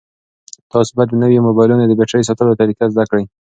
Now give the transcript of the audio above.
تاسو باید د نویو موبایلونو د بېټرۍ ساتلو طریقه زده کړئ.